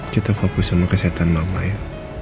kita fokus sama kesehatan bapak ya